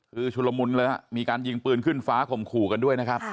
คือชุลมุนเลยฮะมีการยิงปืนขึ้นฟ้าข่มขู่กันด้วยนะครับ